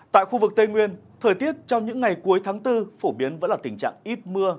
tại khu vực tây nguyên thời tiết trong những ngày cuối tháng bốn phổ biến vẫn là tình trạng ít mưa